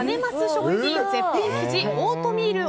食品絶品生地オートミール